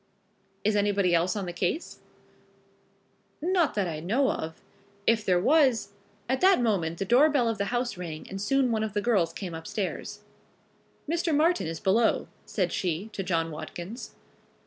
"Is anybody else on the case?" "Not that I know of. If there was " At that moment the door bell of the house rang and soon one of the girls came upstairs. "Mr. Martin is below," said she to John Watkins.